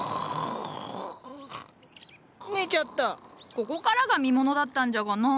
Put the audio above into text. ここからが見ものだったんじゃがな。